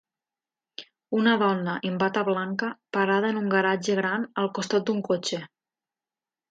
Una dona en bata blanca parada en un garatge gran al costat d'un cotxe.